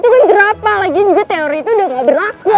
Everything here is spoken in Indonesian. itu kan berapa lagi juga teori itu udah gak berlaku